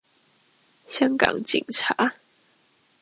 香港警察